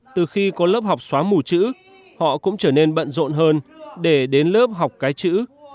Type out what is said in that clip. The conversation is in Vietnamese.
từ khi có lớp học xóa mù chữ họ cũng trở nên bận rộn hơn để đến lớp học cái chữ